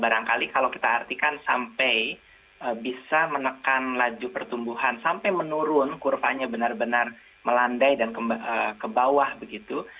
barangkali kalau kita artikan sampai bisa menekan laju pertumbuhan sampai menurun kurvanya benar benar melandai dan ke bawah begitu